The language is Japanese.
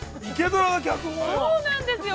◆そうなんですよ。